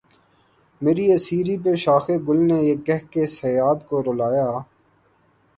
مری اسیری پہ شاخِ گل نے یہ کہہ کے صیاد کو رلایا